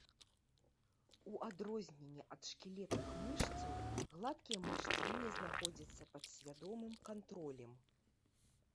У адрозненне ад шкілетных мышцаў, гладкія мышцы не знаходзяцца пад свядомым кантролем.